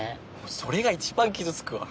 それが一番傷つくわ。